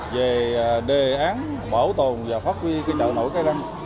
về đề án bảo tồn và phát huy chợ nổi cái răng